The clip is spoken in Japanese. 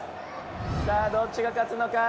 さあどっちが勝つのか？